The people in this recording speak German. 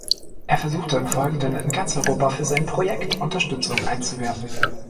Er versuchte im Folgenden, in ganz Europa für sein Projekt Unterstützung einzuwerben.